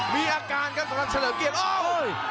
มีอาการครับสำหรับเฉลิมเกียรติโอ้ย